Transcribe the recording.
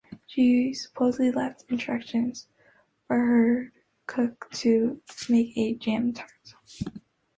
She supposedly left instructions for her cook to make a jam tart.